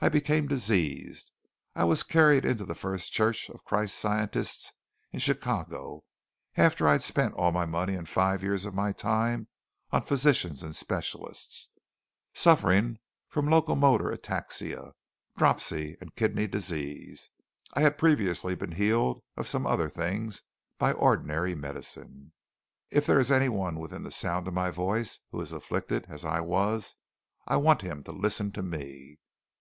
I became diseased. I was carried into the First Church of Christ Scientist in Chicago, after I had spent all my money and five years of my time on physicians and specialists, suffering from locomotor ataxia, dropsy and kidney disease. I had previously been healed of some other things by ordinary medicine. "If there is anyone within the sound of my voice who is afflicted as I was, I want him to listen to me.